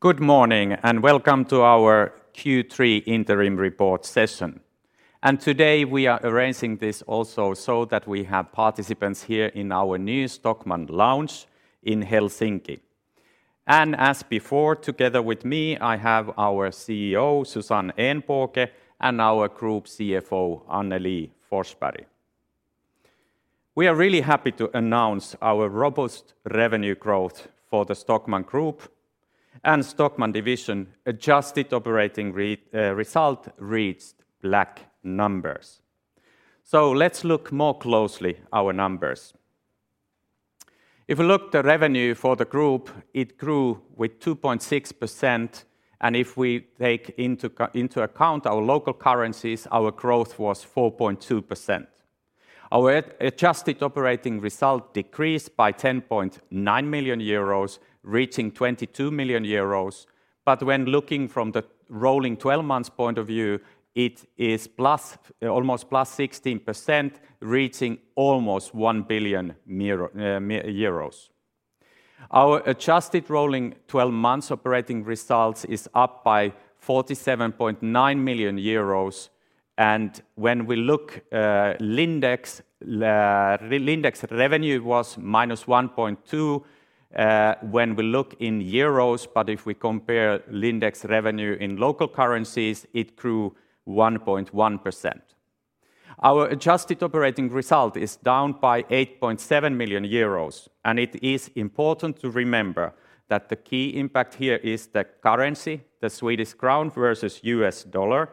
Good morning, and welcome to our Q3 interim report session. Today, we are arranging this also so that we have participants here in our new Stockmann lounge in Helsinki. As before, together with me, I have our CEO, Susanne Ehnbåge, and our group CFO, Annelie Forsberg. We are really happy to announce our robust revenue growth for the Stockmann Group and Stockmann division adjusted operating result reached black numbers. Let's look more closely at our numbers. If you look at the revenue for the group, it grew with 2.6%, and if we take into account our local currencies, our growth was 4.2%. Our adjusted operating result decreased by 10.9 million euros, reaching 22 million euros, but when looking from the rolling 12 months' point of view, it is plus almost 16%, reaching almost 1 billion euro. Our adjusted rolling 12 months operating result is up by 47.9 million euros, and when we look, Lindex revenue was minus 1.2%, when we look in euros, but if we compare Lindex revenue in local currencies, it grew 1.1%. Our adjusted operating result is down by 8.7 million euros, and it is important to remember that the key impact here is the currency, the Swedish crown versus U.S. dollar,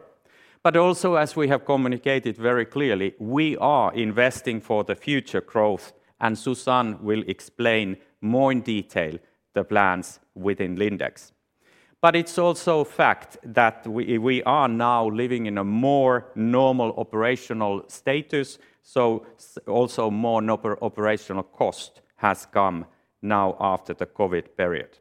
but also, as we have communicated very clearly, we are investing for the future growth, and Susanne will explain more in detail the plans within Lindex. It's also a fact that we are now living in a more normal operational status, also more normal operational cost has come now after the COVID period.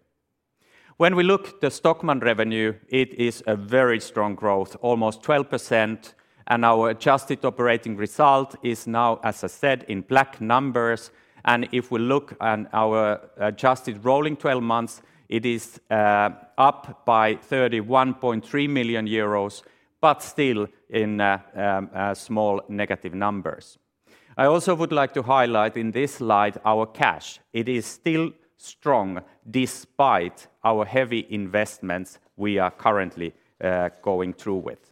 When we look at the Stockmann revenue, it is a very strong growth, almost 12%, and our adjusted operating result is now, as I said, in black numbers. If we look at our adjusted rolling 12 months, it is up by 31.3 million euros, but still in small negative numbers. I also would like to highlight in this slide our cash. It is still strong despite our heavy investments we are currently going through with.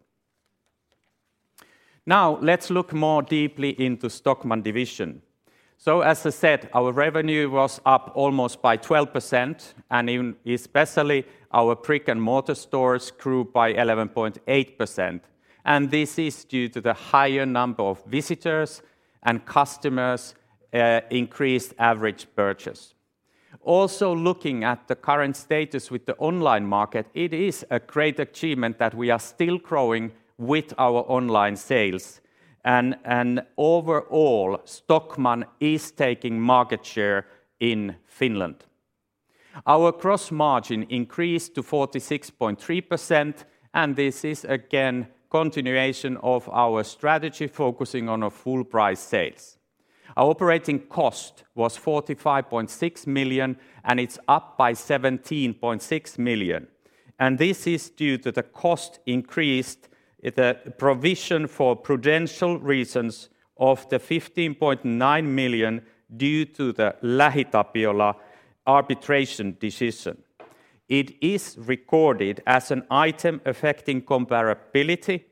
Now, let's look more deeply into Stockmann division. As I said, our revenue was up almost by 12%, and even especially our brick-and-mortar stores grew by 11.8%. This is due to the higher number of visitors and customers' increased average purchase. Also, looking at the current status with the online market, it is a great achievement that we are still growing with our online sales. Overall, Stockmann is taking market share in Finland. Our gross margin increased to 46.3%, and this is, again, continuation of our strategy focusing on a full price sales. Our operating cost was 45.6 million, and it's up by 17.6 million, and this is due to the cost increase, the provision for prudential reasons of the 15.9 million due to the LähiTapiola arbitration decision. It is recorded as an item affecting comparability,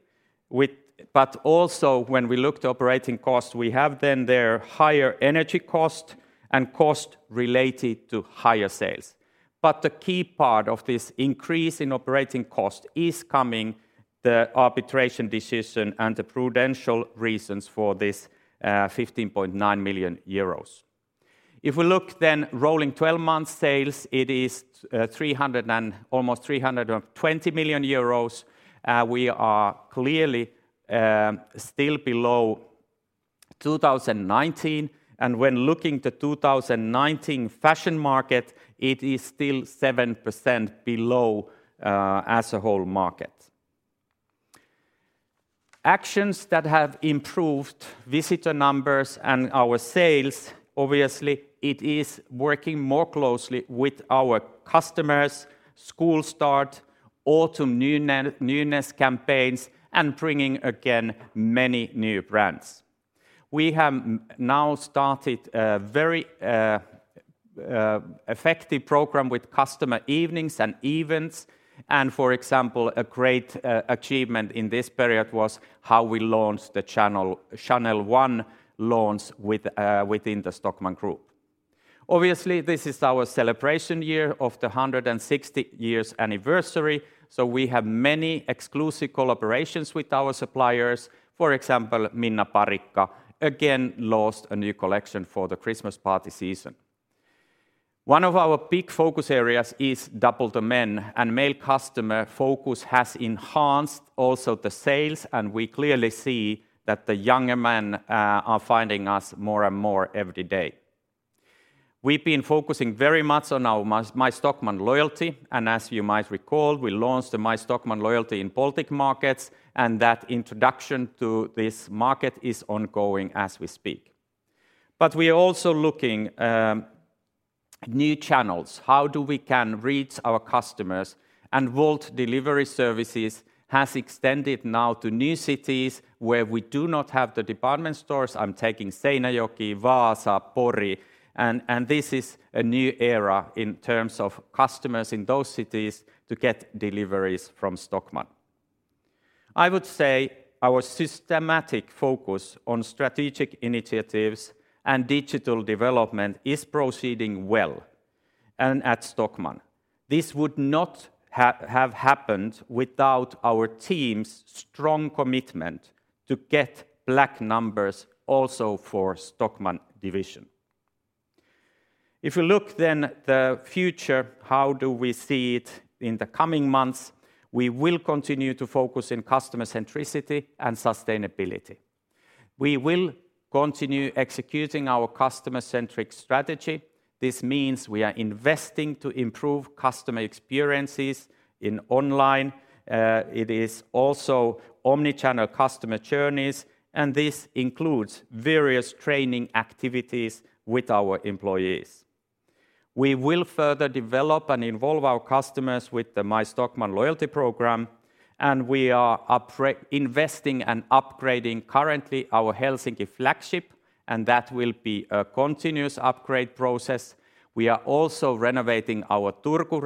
but also, when we look to operating costs, we have then the higher energy cost and cost related to higher sales. The key part of this increase in operating cost is coming from the arbitration decision and the provision reasons for this, 15.9 million euros. If we look then at rolling 12 months sales, it is 300 million and almost 320 million euros. We are clearly still below 2019, and when looking to 2019 fashion market, it is still 7% below as a whole market. Actions that have improved visitor numbers and our sales, obviously it is working more closely with our customers, school start, autumn newness campaigns, and bringing again many new brands. We have now started a very effective program with customer evenings and events and, for example, a great achievement in this period was how we launched the Chanel One launch within the Stockmann Group. Obviously, this is our celebration year of the 160-years anniversary, so we have many exclusive collaborations with our suppliers. For example, Minna Parikka again launched a new collection for the Christmas party season. One of our big focus areas is Double the Men, and male customer focus has enhanced also the sales, and we clearly see that the younger men are finding us more and more every day. We've been focusing very much on our MyStockmann loyalty, and as you might recall, we launched the MyStockmann loyalty in Baltic markets, and that introduction to this market is ongoing as we speak. We are also looking new channels. How do we can reach our customers? Wolt delivery services has extended now to new cities where we do not have the department stores. I'm taking Seinäjoki, Vaasa, Pori, and this is a new era in terms of customers in those cities to get deliveries from Stockmann. I would say our systematic focus on strategic initiatives and digital development is proceeding well and at Stockmann. This would not have happened without our team's strong commitment to get black numbers also for Stockmann division. If you look then the future, how do we see it in the coming months? We will continue to focus in customer centricity and sustainability. We will continue executing our customer-centric strategy. This means we are investing to improve customer experiences in online. It is also omni-channel customer journeys, and this includes various training activities with our employees. We will further develop and involve our customers with the MyStockmann loyalty program, and we are investing and upgrading currently our Helsinki flagship, and that will be a continuous upgrade process. We are also renovating our Turku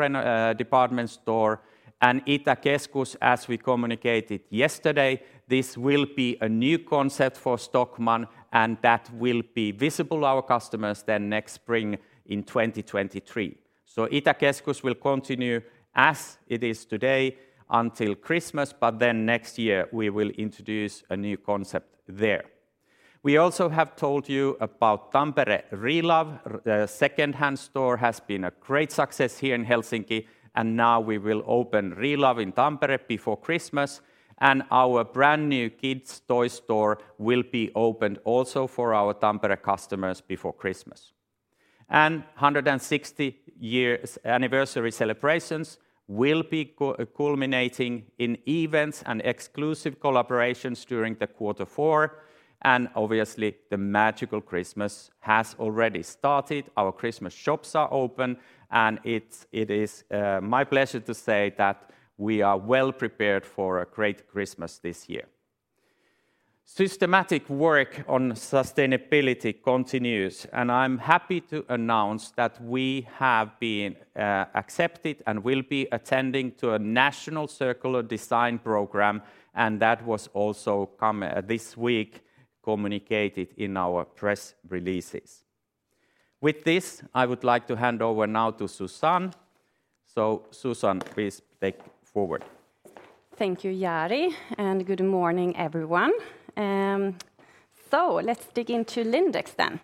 department store and Itäkeskus, as we communicated yesterday. This will be a new concept for Stockmann, and that will be visible to our customers then next spring in 2023. Itäkeskus will continue as it is today until Christmas, but then next year we will introduce a new concept there. We also have told you about Tampere ReLove second-hand store has been a great success here in Helsinki, and now we will open ReLove in Tampere before Christmas, and our brand-new kids' toy store will be opened also for our Tampere customers before Christmas. 160 years anniversary celebrations will be culminating in events and exclusive collaborations during quarter four, and obviously, the magical Christmas has already started. Our Christmas shops are open, and it is my pleasure to say that we are well prepared for a great Christmas this year. Systematic work on sustainability continues, and I'm happy to announce that we have been accepted and will be attending a National Circular Design Programme, and that was also this week communicated in our press releases. With this, I would like to hand over now to Susanne. Susanne, please take forward. Thank you, Jari, and good morning, everyone. Let's dig into Lindex then.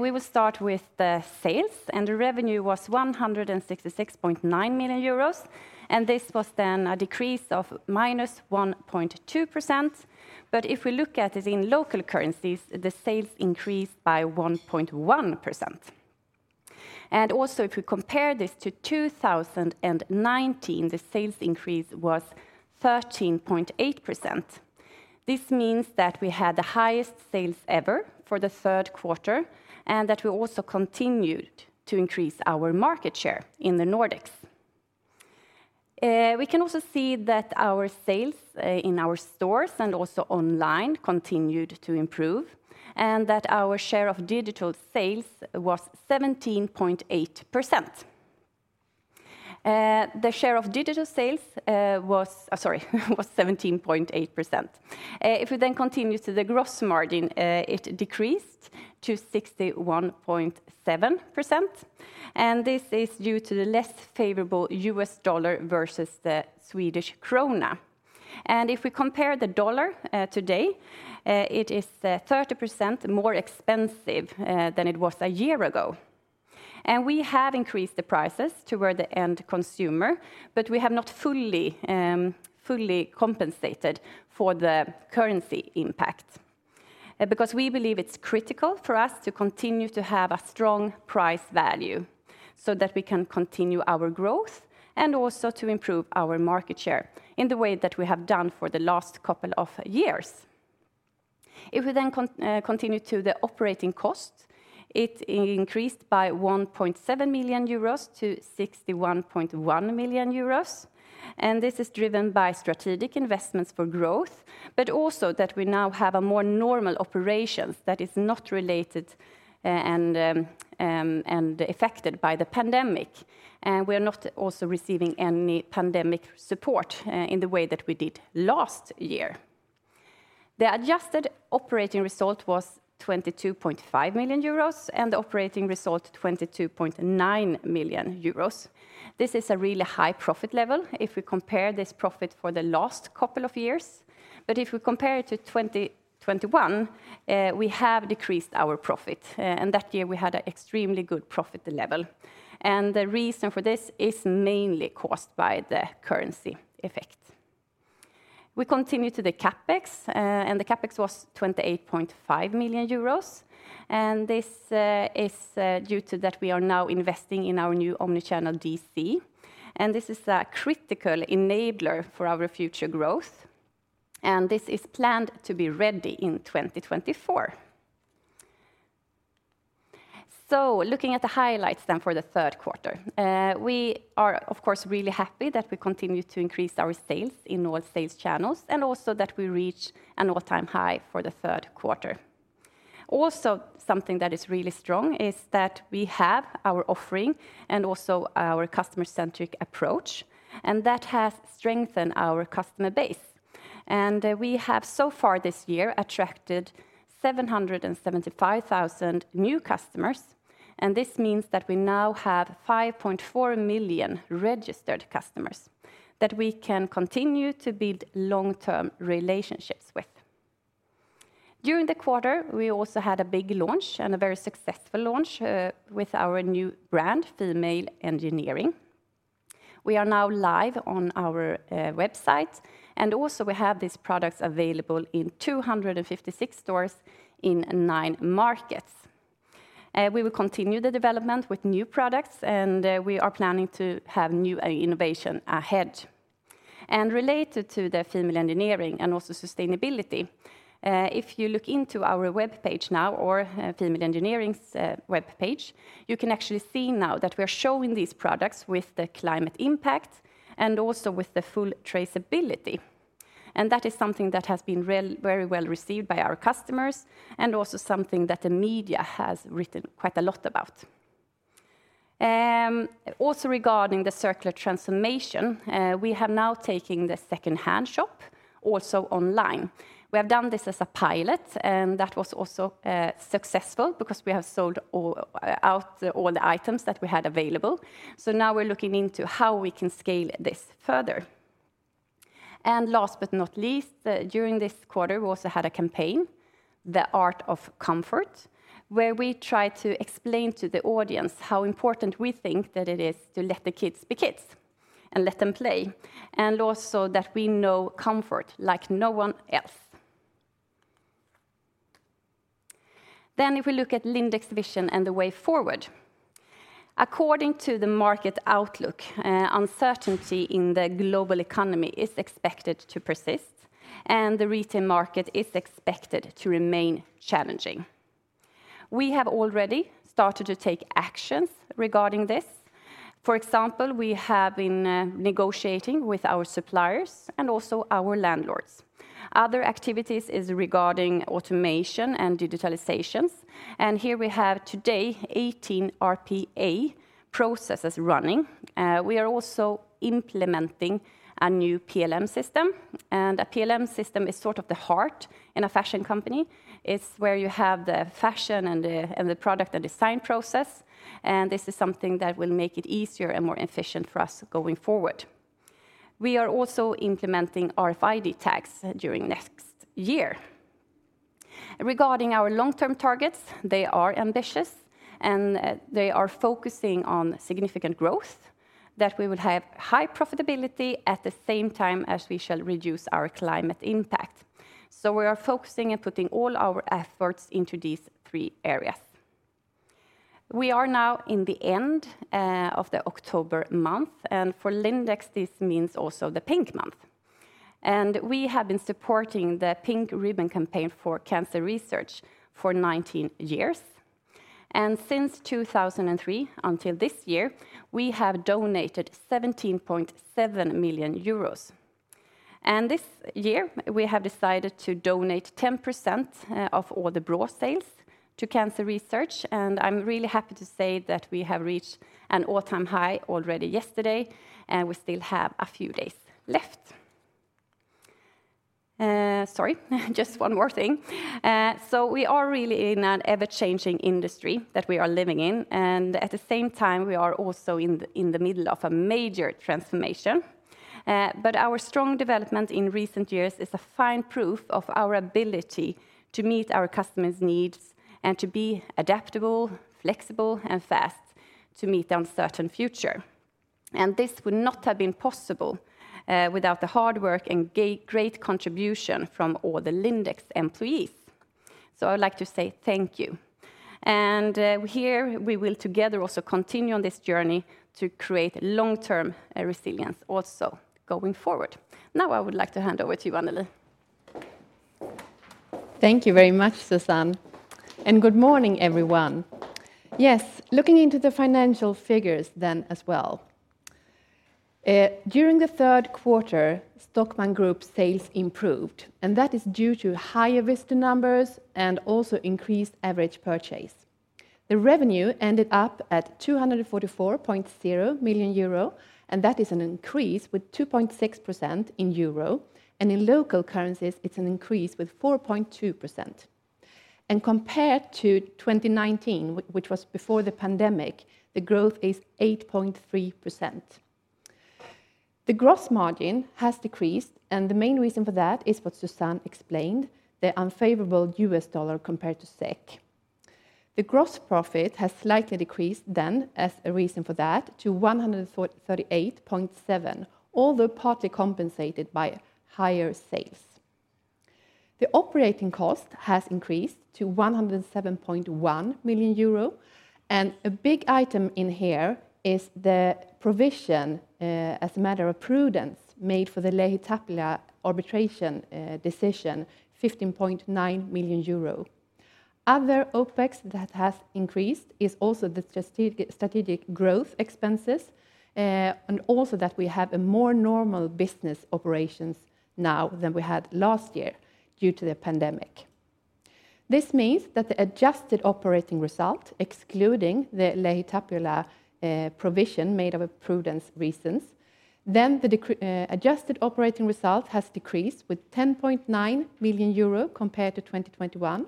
We will start with the sales, and the revenue was 166.9 million euros, and this was then a decrease of -1.2%. If we look at it in local currencies, the sales increased by 1.1%. If you compare this to 2019, the sales increase was 13.8%. This means that we had the highest sales ever for the third quarter and that we also continued to increase our market share in the Nordics. We can also see that our sales in our stores and also online continued to improve and that our share of digital sales was 17.8%. The share of digital sales was 17.8%. If we then continue to the gross margin, it decreased to 61.7%, and this is due to the less favorable U.S. dollar versus the Swedish krona. If we compare the dollar today, it is 30% more expensive than it was a year ago. We have increased the prices toward the end consumer, but we have not fully compensated for the currency impact because we believe it's critical for us to continue to have a strong price value so that we can continue our growth and also to improve our market share in the way that we have done for the last couple of years. If we continue to the operating cost, it increased by 1.7 million euros to 61.1 million euros, and this is driven by strategic investments for growth, but also that we now have a more normal operation that is not related and affected by the pandemic. We are not also receiving any pandemic support in the way that we did last year. The adjusted operating result was 22.5 million euros and the operating result 22.9 million euros. This is a really high profit level if we compare this profit for the last couple of years. If we compare it to 2021, we have decreased our profit, and that year we had an extremely good profit level. The reason for this is mainly caused by the currency effect. We continue to the CapEx, and the CapEx was 28.5 million euros, and this is due to that we are now investing in our new omni-channel DC, and this is a critical enabler for our future growth. This is planned to be ready in 2024. Looking at the highlights then for the third quarter, we are of course really happy that we continue to increase our sales in all sales channels and also that we reach an all-time high for the third quarter. Also, something that is really strong is that we have our offering and also our customer-centric approach, and that has strengthened our customer base. We have so far this year attracted 775,000 new customers, and this means that we now have 5.4 million registered customers that we can continue to build long-term relationships with. During the quarter, we also had a big launch and a very successful launch with our new brand, Female Engineering. We are now live on our website, and also we have these products available in 256 stores in nine markets. We will continue the development with new products, and we are planning to have new innovation ahead. Related to the Female Engineering and also sustainability, if you look into our webpage now or Female Engineering's webpage, you can actually see now that we're showing these products with the climate impact and also with the full traceability. That is something that has been very well received by our customers and also something that the media has written quite a lot about. Also regarding the circular transformation, we have now taken the second-hand shop also online. We have done this as a pilot, and that was also successful because we have sold out all the items that we had available. Now we're looking into how we can scale this further. Last but not least, during this quarter, we also had a campaign, The Art of Comfort, where we try to explain to the audience how important we think that it is to let the kids be kids and let them play, and also that we know comfort like no one else. If we look at Lindex vision and the way forward, according to the market outlook, uncertainty in the global economy is expected to persist, and the retail market is expected to remain challenging. We have already started to take actions regarding this. For example, we have been negotiating with our suppliers and also our landlords. Other activities is regarding automation and digitalizations, and here we have today 18 RPA processes running. We are also implementing a new PLM system, and a PLM system is sort of the heart in a fashion company. It's where you have the fashion and the product and design process, and this is something that will make it easier and more efficient for us going forward. We are also implementing RFID tags during next year. Regarding our long-term targets, they are ambitious, and they are focusing on significant growth, that we will have high profitability at the same time as we shall reduce our climate impact. We are focusing and putting all our efforts into these three areas. We are now in the end of the October month, and for Lindex, this means also the pink month. We have been supporting the Pink Ribbon campaign for cancer research for 19 years. Since 2003 until this year, we have donated 17.7 million euros. This year, we have decided to donate 10% of all the bra sales to cancer research. I'm really happy to say that we have reached an all-time high already yesterday, and we still have a few days left. Sorry, just one more thing. We are really in an ever-changing industry that we are living in, and at the same time, we are also in the middle of a major transformation. Our strong development in recent years is a fine proof of our ability to meet our customers' needs and to be adaptable, flexible, and fast to meet the uncertain future. This would not have been possible without the hard work and great contribution from all the Lindex employees. I would like to say thank you. Here we will together also continue on this journey to create long-term resilience also going forward. Now, I would like to hand over to you, Annelie. Thank you very much, Susanne. Good morning, everyone. Yes, looking into the financial figures then as well. During the third quarter, Stockmann Group sales improved, and that is due to higher visitor numbers and also increased average purchase. The revenue ended up at 244.0 million euro, and that is an increase with 2.6% in euro, and in local currencies, it's an increase with 4.2%. Compared to 2019, which was before the pandemic, the growth is 8.3%. The gross margin has decreased, and the main reason for that is what Susanne explained, the unfavorable U.S. dollar compared to SEK. The gross profit has slightly decreased then, as a reason for that, to 143.7 million, although partly compensated by higher sales. The operating cost has increased to 107.1 million euro. A big item in here is the provision, as a matter of prudence made for the LähiTapiola arbitration decision, 15.9 million euro. Other OPEX that has increased is also the strategic growth expenses. Also that we have a more normal business operations now than we had last year due to the pandemic. This means that the adjusted operating result, excluding the LähiTapiola provision made for prudence reasons, then the adjusted operating result has decreased with 10.9 million euro compared to 2021.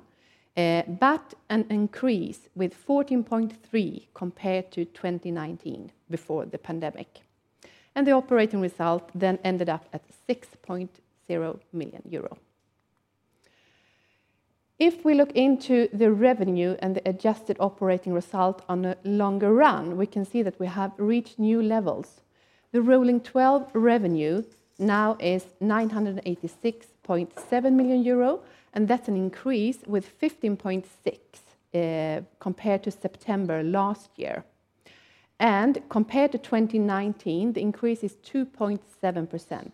But an increase with 14.3 million compared to 2019 before the pandemic. The operating result then ended up at 6.0 million euro. If we look into the revenue and the adjusted operating result on a longer run, we can see that we have reached new levels. The rolling twelve revenue now is 986.7 million euro, and that's an increase with 15.6% compared to September last year. Compared to 2019, the increase is 2.7%. The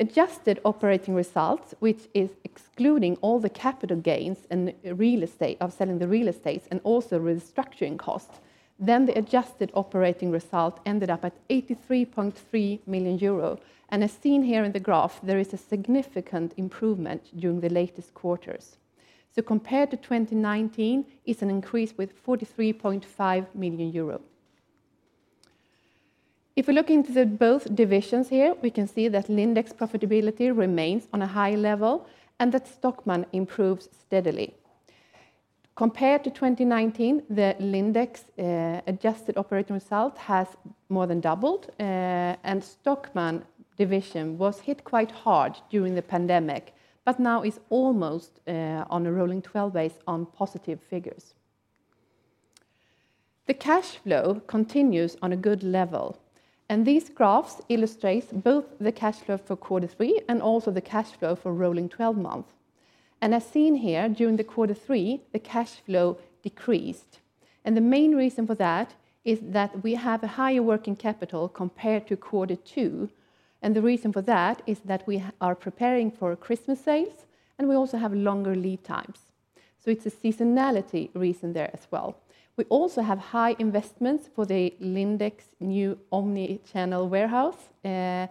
adjusted operating results, which is excluding all the capital gains and real estate of selling the real estates and also restructuring costs, then the adjusted operating result ended up at 83.3 million euro. As seen here in the graph, there is a significant improvement during the latest quarters. Compared to 2019, it's an increase with 43.5 million euros. If we look into both divisions here, we can see that Lindex profitability remains on a high level and that Stockmann improves steadily. Compared to 2019, the Lindex adjusted operating result has more than doubled. Stockmann division was hit quite hard during the pandemic, but now is almost on a rolling 12 basis on positive figures. The cash flow continues on a good level, and these graphs illustrates both the cash flow for quarter three and also the cash flow for rolling 12 month. As seen here during the quarter three, the cash flow decreased. The main reason for that is that we have a higher working capital compared to quarter two, and the reason for that is that we are preparing for Christmas sales, and we also have longer lead times. It's a seasonality reason there as well. We also have high investments for the Lindex new omni-channel warehouse, and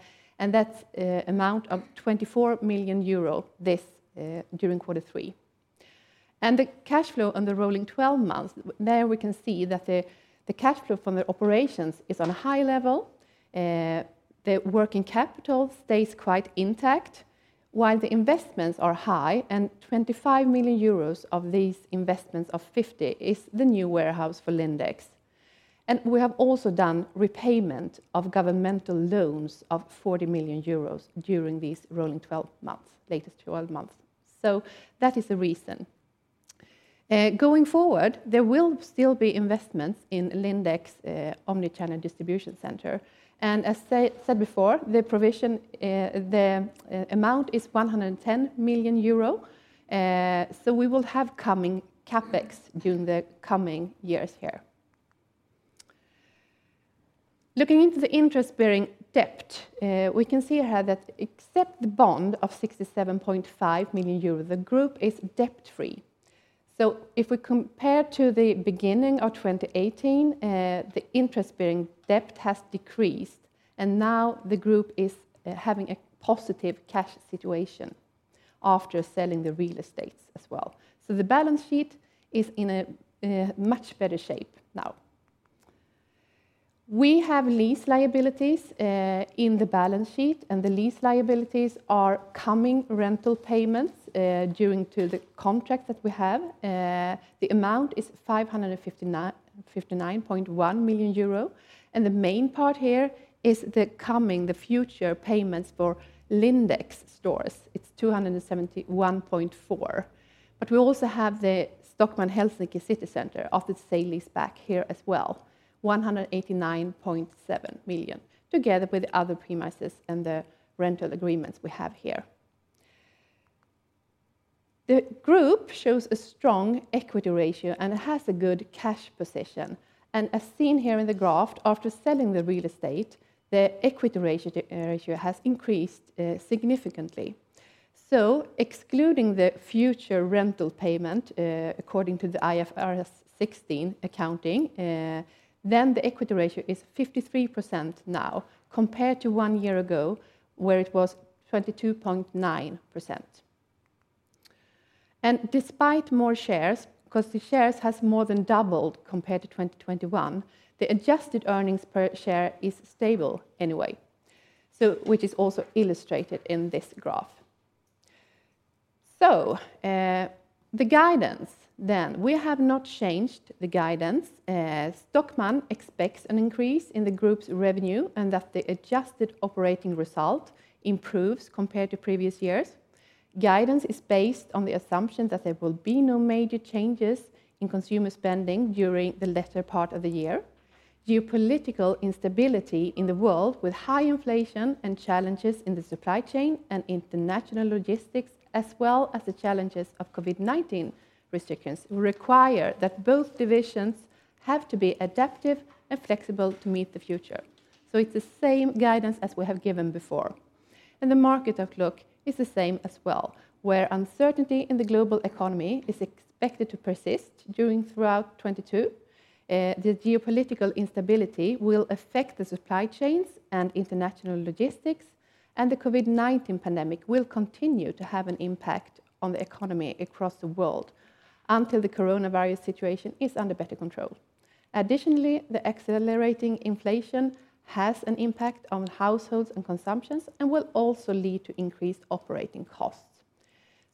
that's amount of 24 million euro, this, during quarter three. The cash flow on the rolling 12 months, there we can see that the cash flow from the operations is on a high level. The working capital stays quite intact, while the investments are high and 25 million euros of these investments of 50 million is the new warehouse for Lindex. We have also done repayment of governmental loans of 40 million euros during these rolling 12 months, latest 12 months. That is the reason. Going forward, there will still be investments in Lindex's omni-channel distribution center. As said before, the provision, the amount is 110 million euro. We will have coming CapEx during the coming years here. Looking into the interest-bearing debt, we can see here that except the bond of 67.5 million euros, the group is debt-free. If we compare to the beginning of 2018, the interest-bearing debt has decreased, and now the group is having a positive cash situation after selling the real estates as well. The balance sheet is in a much better shape now. We have lease liabilities in the balance sheet, and the lease liabilities are rental payments due under the contracts that we have. The amount is 559.1 million euro, and the main part here is the future payments for Lindex stores. It's 271.4 million. We also have the Stockmann Helsinki City Center of the sale-leaseback here as well, 189.7 million, together with other premises and the rental agreements we have here. The group shows a strong equity ratio and has a good cash position. As seen here in the graph, after selling the real estate, the equity ratio has increased significantly. Excluding the future rental payment, according to the IFRS 16 accounting, the equity ratio is 53% now, compared to one year ago, where it was 22.9%. Despite more shares, because the shares has more than doubled compared to 2021, the adjusted earnings per share is stable anyway. Which is also illustrated in this graph. The guidance. We have not changed the guidance. Stockmann expects an increase in the group's revenue and that the adjusted operating result improves compared to previous years. Guidance is based on the assumption that there will be no major changes in consumer spending during the latter part of the year. Geopolitical instability in the world with high inflation and challenges in the supply chain and international logistics, as well as the challenges of COVID-19 restrictions require that both divisions have to be adaptive and flexible to meet the future. It's the same guidance as we have given before. The market outlook is the same as well, where uncertainty in the global economy is expected to persist throughout 2022. The geopolitical instability will affect the supply chains and international logistics, and the COVID-19 pandemic will continue to have an impact on the economy across the world until the coronavirus situation is under better control. Additionally, the accelerating inflation has an impact on households and consumptions and will also lead to increased operating costs.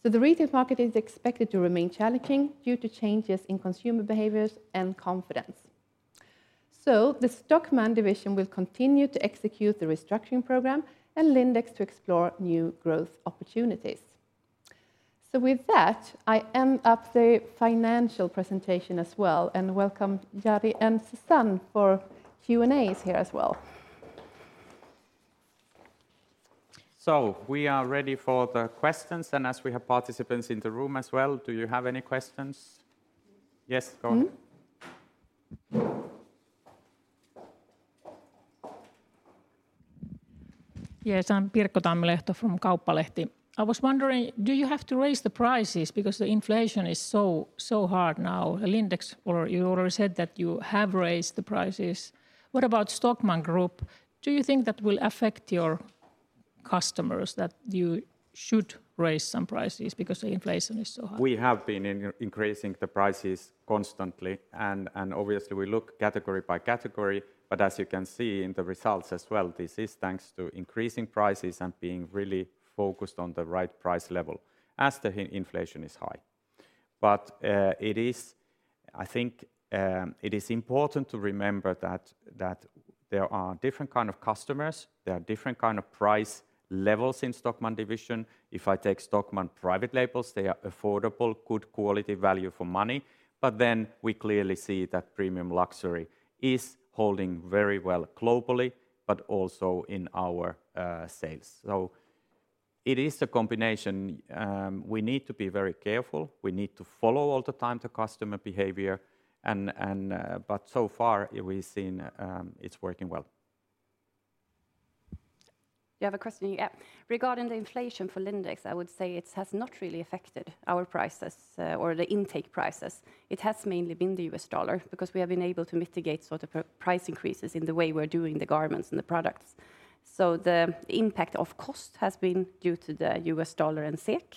The retail market is expected to remain challenging due to changes in consumer behaviors and confidence. The Stockmann division will continue to execute the restructuring program and Lindex to explore new growth opportunities. With that, I end up the financial presentation as well and welcome Jari and Susanne for Q&As here as well. We are ready for the questions. As we have participants in the room as well, do you have any questions? Yes, go on. Mm-hmm. Yes, I'm Pirkko Tammilehto from Kauppalehti. I was wondering, do you have to raise the prices because the inflation is so hard now? At Lindex or you already said that you have raised the prices. What about Stockmann Group? Do you think that will affect your customers that you should raise some prices because the inflation is so high? We have been increasing the prices constantly and obviously we look category by category. As you can see in the results as well, this is thanks to increasing prices and being really focused on the right price level as the inflation is high. It is, I think, important to remember that there are different kind of customers, there are different kind of price levels in Stockmann division. If I take Stockmann private labels, they are affordable, good quality value for money. We clearly see that premium luxury is holding very well globally, but also in our sales. It is a combination. We need to be very careful. We need to follow all the time the customer behavior and, but so far we've seen, it's working well. You have a question, yeah. Regarding the inflation for Lindex, I would say it has not really affected our prices or the intake prices. It has mainly been the U.S. dollar because we have been able to mitigate sort of price increases in the way we're doing the garments and the products. The impact of cost has been due to the U.S. dollar and SEK.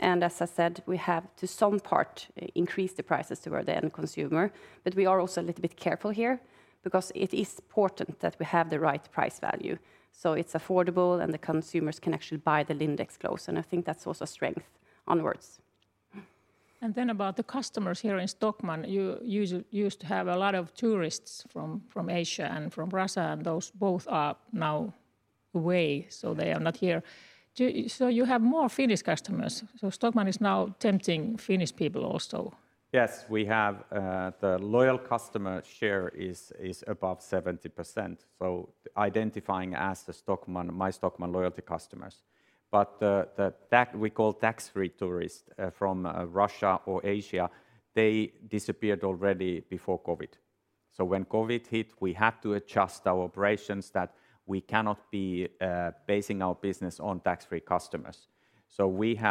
As I said, we have to some part increased the prices to the end consumer. We are also a little bit careful here because it is important that we have the right price value, so it's affordable and the consumers can actually buy the Lindex clothes, and I think that's also a strength onwards. About the customers here in Stockmann, you used to have a lot of tourists from Asia and from Russia, and those both are now away, so they are not here. You have more Finnish customers. Stockmann is now tempting Finnish people also. Yes, we have the loyal customer share is above 70%, so identifying as the Stockmann MyStockmann loyalty customers. We call tax-free tourists from Russia or Asia, they disappeared already before COVID. When COVID hit, we had to adjust our operations that we cannot be basing our business on tax-free customers. We've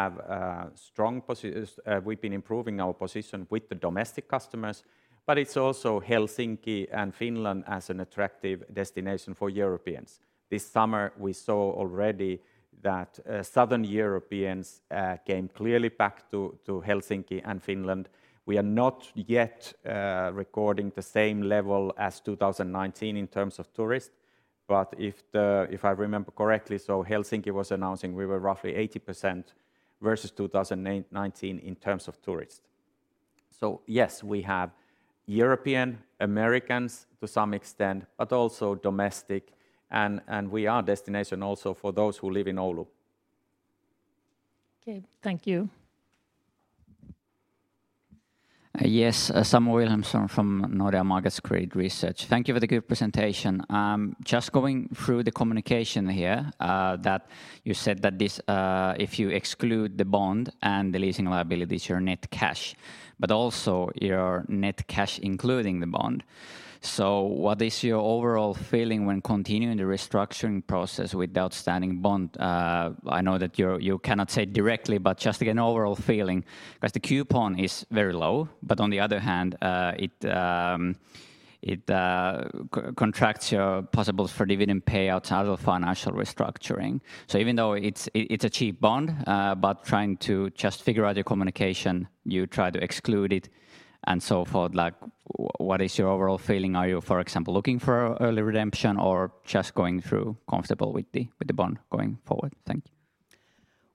been improving our position with the domestic customers, but it's also Helsinki and Finland as an attractive destination for Europeans. This summer, we saw already that Southern Europeans came clearly back to Helsinki and Finland. We are not yet recording the same level as 2019 in terms of tourists. If I remember correctly, Helsinki was announcing we were roughly 80% versus 2019 in terms of tourists. Yes, we have European, Americans to some extent, but also domestic and we are a destination also for those who live in Oulu. Okay. Thank you. Yes. Samuel Williamson from Nordea Markets Credit Research. Thank you for the good presentation. Just going through the communication here, that you said that this, if you exclude the bond and the leasing liabilities, your net cash, but also your net cash including the bond. What is your overall feeling when continuing the restructuring process with the outstanding bond? I know that you cannot say directly, but just, again, overall feeling, because the coupon is very low, but on the other hand, it contracts your possibilities for dividend payouts out of financial restructuring. Even though it's a cheap bond, but trying to just figure out your communication, you try to exclude it and so forth. Like, what is your overall feeling? Are you, for example, looking for early redemption or just comfortable with the bond going forward? Thank you.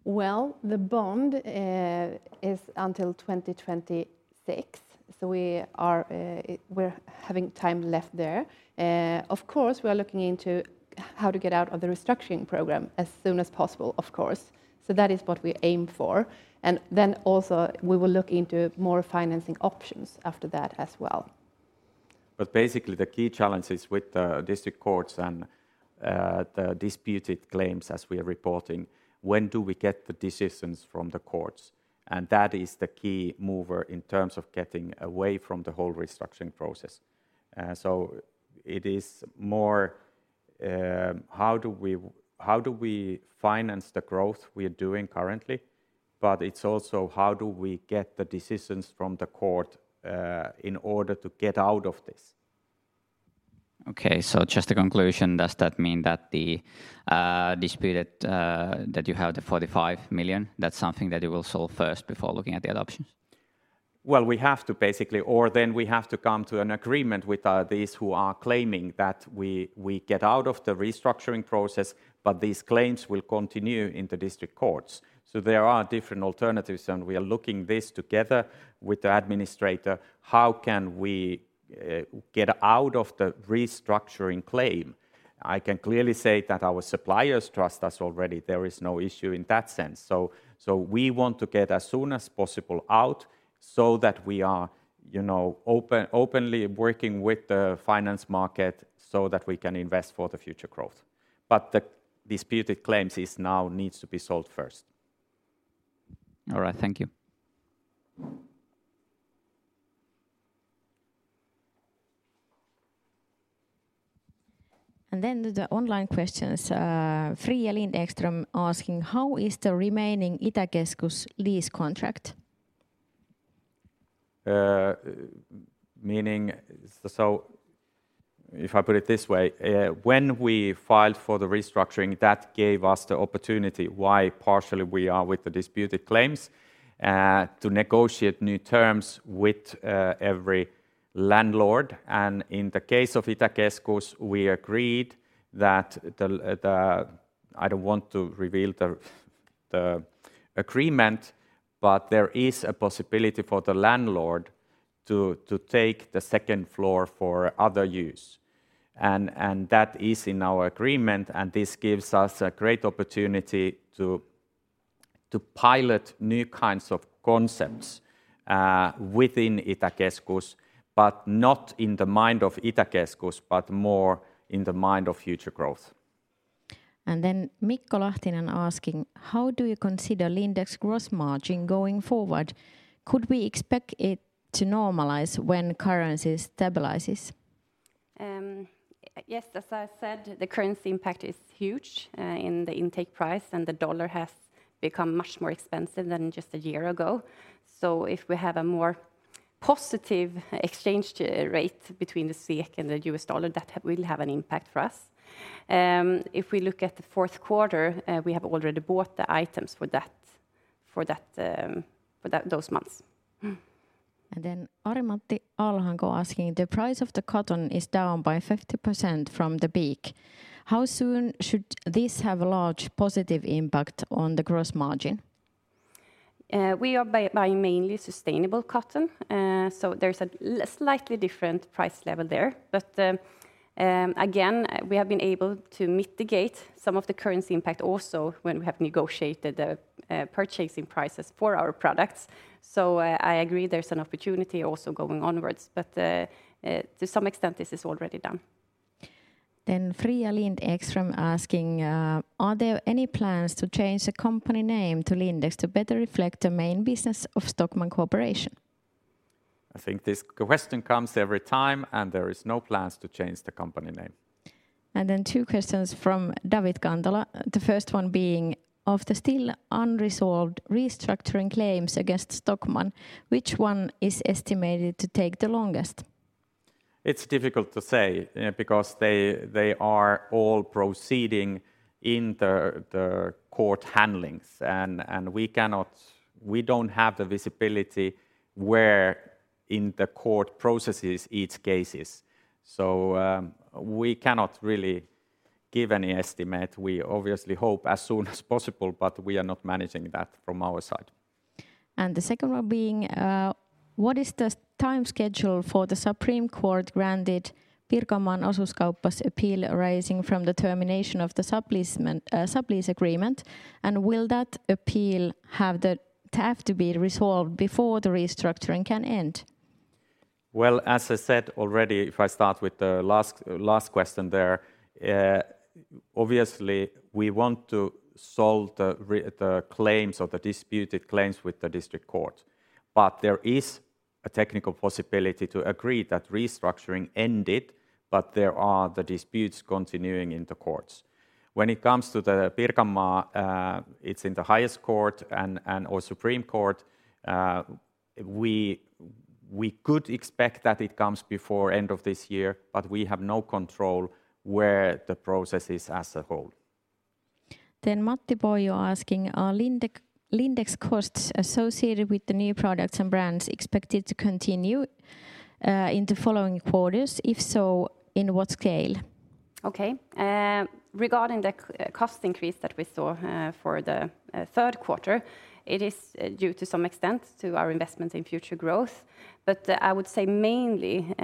Well, the bond is until 2026, so we're having time left there. Of course, we are looking into how to get out of the restructuring program as soon as possible, of course. That is what we aim for. We will look into more financing options after that as well. Basically the key challenges with the district courts and the disputed claims as we are reporting, when do we get the decisions from the courts? That is the key mover in terms of getting away from the whole restructuring process. It is more, how do we finance the growth we are doing currently, but it's also how do we get the decisions from the court in order to get out of this? Okay. Just a conclusion, does that mean that the disputed that you have the 45 million, that's something that you will solve first before looking at the other options? Well, we have to basically, or then we have to come to an agreement with these who are claiming that we get out of the restructuring process, but these claims will continue in the district courts. There are different alternatives, and we are looking at this together with the administrator, how can we get out of the restructuring claim? I can clearly say that our suppliers trust us already. There is no issue in that sense. We want to get as soon as possible out so that we are, you know, openly working with the financial markets so that we can invest for the future growth. The disputed claims now need to be solved first. All right. Thank you. The online questions, Fia Lindström asking, how is the remaining Itäkeskus lease contract? If I put it this way, when we filed for the restructuring, that gave us the opportunity, why partially we are with the disputed claims, to negotiate new terms with every landlord, and in the case of Itäkeskus, we agreed. I don't want to reveal the agreement, but there is a possibility for the landlord to take the second floor for other use, and that is in our agreement, and this gives us a great opportunity to pilot new kinds of concepts within Itäkeskus, but not in the mind of Itäkeskus, but more in the mind of future growth. Mikko Lahtinen asking, how do you consider Lindex gross margin going forward? Could we expect it to normalize when currency stabilizes? Yes, as I said, the currency impact is huge in the intake price, and the dollar has become much more expensive than just a year ago. If we have a more positive exchange rate between the SEK and the U.S. dollar, that will have an impact for us. If we look at the fourth quarter, we have already bought the items for those months. Arimatti Alhanko asking, the price of the cotton is down by 50% from the peak. How soon should this have a large positive impact on the gross margin? We are buying mainly sustainable cotton, so there's a slightly different price level there. Again, we have been able to mitigate some of the currency impact also when we have negotiated the purchasing prices for our products. I agree there's an opportunity also going onwards, but to some extent this is already done. Fria Lind Ekström asking, are there any plans to change the company name to Lindex to better reflect the main business of Stockmann Corporation? I think this question comes every time, and there is no plans to change the company name. Two questions from David Kantola. The first one being, "Of the still unresolved restructuring claims against Stockmann, which one is estimated to take the longest?" It's difficult to say, because they are all proceeding in the court proceedings, and we cannot. We don't have the visibility where in the court processes each case is. We cannot really give any estimate. We obviously hope as soon as possible, but we are not managing that from our side. The second one being, what is the time schedule for the Supreme Court granted Pirkanmaan Osuuskauppa's appeal arising from the termination of the sublease agreement, and will that appeal have to be resolved before the restructuring can end? Well, as I said already, if I start with the last question there, obviously we want to solve the claims or the disputed claims with the district court. There is a technical possibility to agree that restructuring ended, but there are the disputes continuing in the courts. When it comes to the Pirkanmaa, it's in the highest court or Supreme Court. We could expect that it comes before end of this year, but we have no control where the process is as a whole. Mattias Böhm asking, "Are Lindex costs associated with the new products and brands expected to continue in the following quarters? If so, in what scale?" Okay. Regarding the cost increase that we saw for the third quarter, it is due to some extent to our investment in future growth. I would say mainly,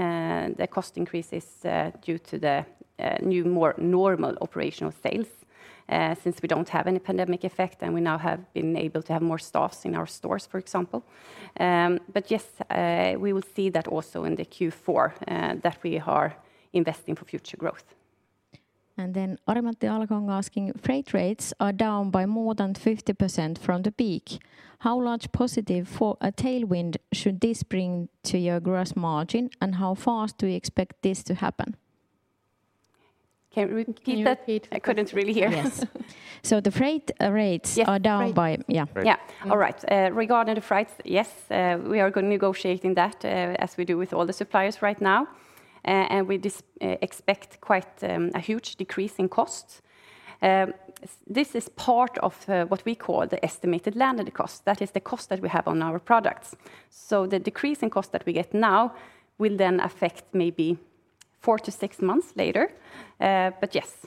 the cost increase is due to the new, more normal operational sales, since we don't have any pandemic effect and we now have been able to have more staffs in our stores, for example. Yes, we will see that also in the Q4, that we are investing for future growth. Arimatti Alhanko asking: Freight rates are down by more than 50% from the peak. How large positive for a tailwind should this bring to your gross margin, and how fast do you expect this to happen? Can we repeat that? Can you repeat? I couldn't really hear. Yes. The freight rates. Yeah, freight. Are down by. Yeah. Yeah. All right. All right. Regarding the freights, yes, we are gonna negotiating that, as we do with all the suppliers right now. We expect quite a huge decrease in cost. This is part of what we call the estimated landed cost. That is the cost that we have on our products. The decrease in cost that we get now will then affect maybe four- six months later. Yes,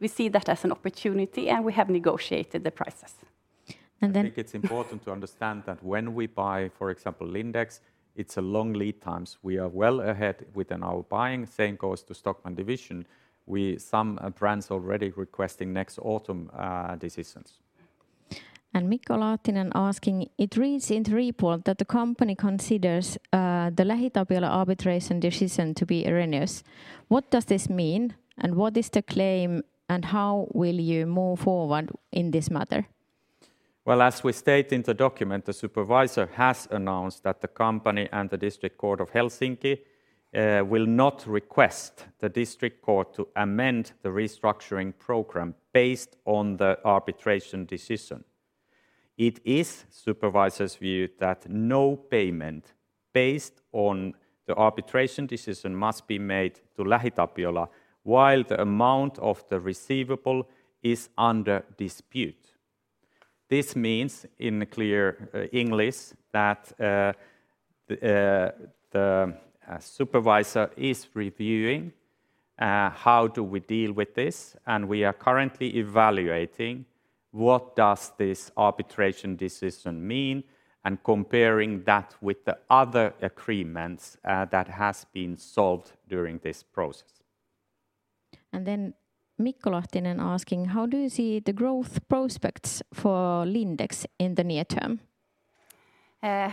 we see that as an opportunity, and we have negotiated the prices. And then- I think it's important to understand that when we buy, for example, Lindex, it's a long lead times. We are well ahead within our buying. Same goes to Stockmann division. Some brands already requesting next autumn decisions. Mikko Lahtinen asking: It reads in the report that the company considers the LähiTapiola arbitration decision to be erroneous. What does this mean, and what is the claim, and how will you move forward in this matter? Well, as we state in the document, the supervisor has announced that the company and the Helsinki District Court will not request the district court to amend the restructuring program based on the arbitration decision. It is supervisor's view that no payment based on the arbitration decision must be made to LähiTapiola while the amount of the receivable is under dispute. This means, in clear English, that the supervisor is reviewing how do we deal with this, and we are currently evaluating what does this arbitration decision mean and comparing that with the other agreements that has been solved during this process. Mikko Lahtinen asking: How do you see the growth prospects for Lindex in the near term? I'm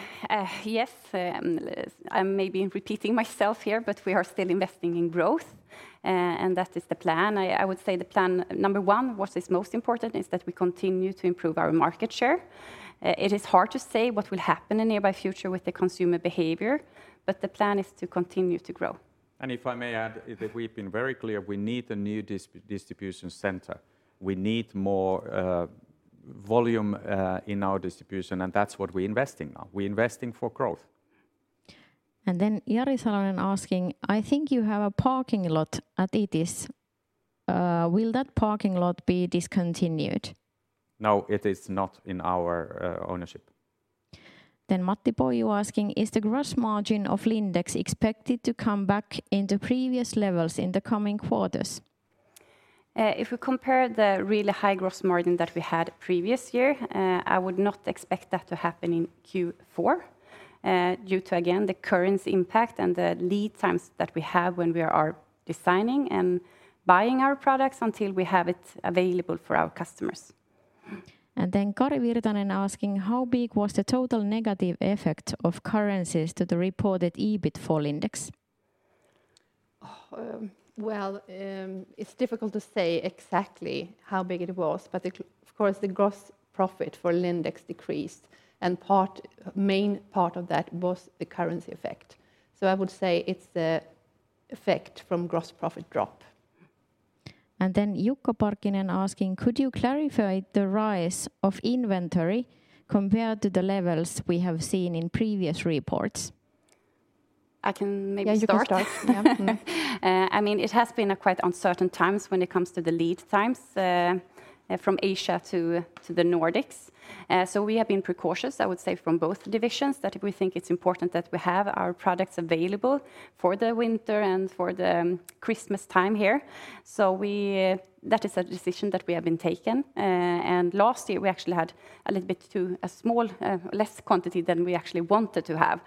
maybe repeating myself here, but we are still investing in growth, and that is the plan. I would say the plan, number one, what is most important is that we continue to improve our market share. It is hard to say what will happen in the near future with the consumer behavior, but the plan is to continue to grow. If I may add, that we've been very clear, we need a new distribution center. We need more volume in our distribution, and that's what we're investing now. We're investing for growth. Jari Salonen asking: I think you have a parking lot at Itis. Will that parking lot be discontinued? No, it is not in our ownership. Matti Poiju asking: Is the gross margin of Lindex expected to come back into previous levels in the coming quarters? If we compare the really high gross margin that we had previous year, I would not expect that to happen in Q4, due to again the currency impact and the lead times that we have when we are designing and buying our products until we have it available for our customers. Kari Virtanen asking: How big was the total negative effect of currencies to the reported EBIT for Lindex? It's difficult to say exactly how big it was, but of course, the gross profit for Lindex decreased, and the main part of that was the currency effect. I would say it's the effect from gross profit drop. Jukka Parkkinen asking: Could you clarify the rise of inventory compared to the levels we have seen in previous reports? I can maybe start. Yeah, you can start. Yeah. I mean, it has been quite uncertain times when it comes to the lead times from Asia to the Nordics, so we have been precautious, I would say, from both divisions that we think it's important that we have our products available for the winter and for the Christmas time here. That is a decision that we have taken. Last year we actually had a little bit too small a quantity than we actually wanted to have,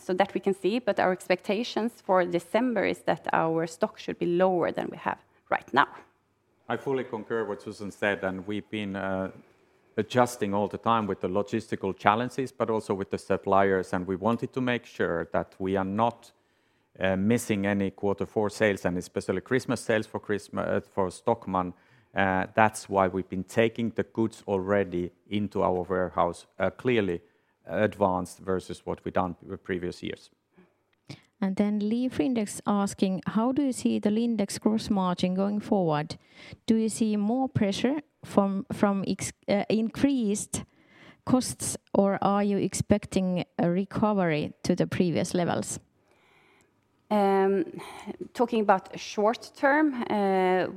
so that we can see. Our expectations for December is that our stock should be lower than we have right now. I fully concur with what Susanne said, and we've been adjusting all the time with the logistical challenges, but also with the suppliers, and we wanted to make sure that we are not missing any quarter four sales and especially Christmas sales for Stockmann. That's why we've been taking the goods already into our warehouse, clearly in advance versus what we've done previous years. Lee for Lindex asking: How do you see the Lindex gross margin going forward? Do you see more pressure from increased costs, or are you expecting a recovery to the previous levels? Talking about short term, again,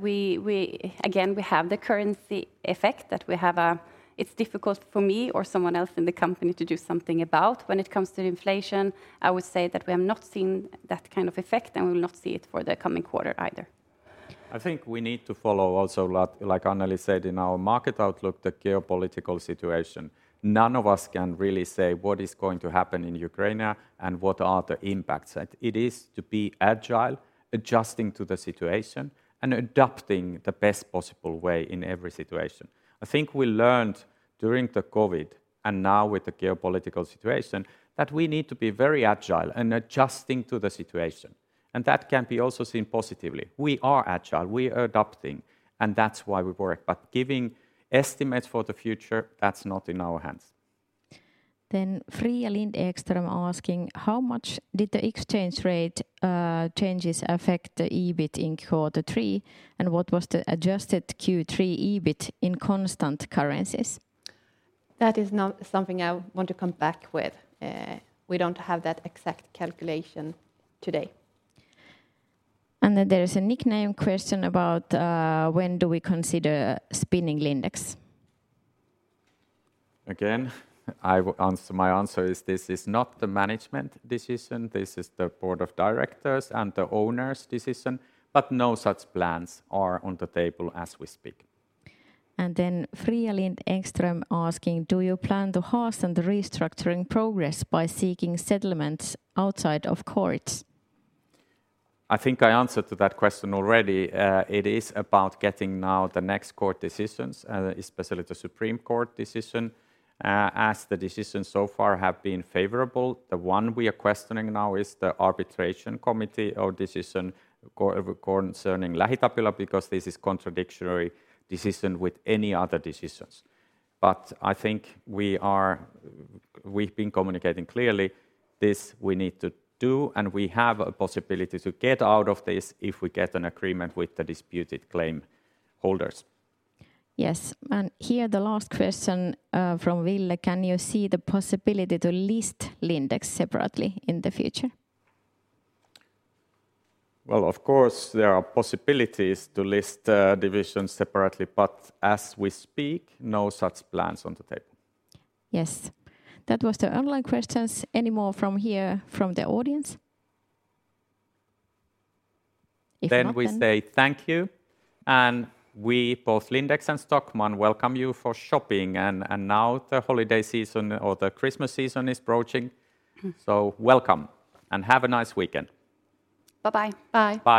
we have the currency effect that we have. It's difficult for me or someone else in the company to do something about. When it comes to inflation, I would say that we have not seen that kind of effect, and we will not see it for the coming quarter either. I think we need to follow also lot, like Annelie said, in our market outlook, the geopolitical situation. None of us can really say what is going to happen in Ukraine now and what are the impacts, and it is to be agile, adjusting to the situation, and adapting the best possible way in every situation. I think we learned during the COVID and now with the geopolitical situation that we need to be very agile in adjusting to the situation. That can be also seen positively. We are agile, we are adapting, and that's why we work. Giving estimates for the future, that's not in our hands. Fria Lind Ekström asking, "How much did the exchange rate changes affect the EBIT in quarter three, and what was the adjusted Q3 EBIT in constant currencies?" That is not something I want to come back with. We don't have that exact calculation today. There is a next question about when do we consider spinning Lindex? My answer is this is not the management decision. This is the board of directors' and the owners' decision. No such plans are on the table as we speak. Fria Lind Ekström asking, "Do you plan to hasten the restructuring progress by seeking settlements outside of courts?" I think I answered to that question already. It is about getting now the next court decisions, especially the Supreme Court of Finland decision, as the decisions so far have been favorable. The one we are questioning now is the arbitration committee decision concerning LähiTapiola, because this is contradictory decision with any other decisions. I think we've been communicating clearly this we need to do, and we have a possibility to get out of this if we get an agreement with the disputed claim holders. Yes. Here, the last question from Ville: "Can you see the possibility to list Lindex separately in the future?" Well, of course, there are possibilities to list divisions separately, but as we speak, no such plans on the table. Yes. That was the online questions. Any more from here from the audience? If not, then. We say thank you. We, both Lindex and Stockmann, welcome you for shopping. Now the holiday season or the Christmas season is approaching. Welcome and have a nice weekend. Bye-bye. Bye. Bye.